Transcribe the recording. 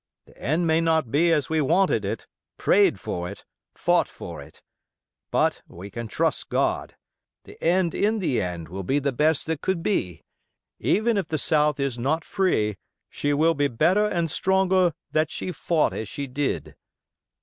The end may not be as we wanted it, prayed for it, fought for it; but we can trust God; the end in the end will be the best that could be; even if the South is not free she will be better and stronger that she fought as she did.